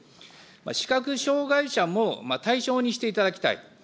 視覚障害者も対象にしていただきたい。